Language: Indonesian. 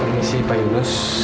permisi pak yunus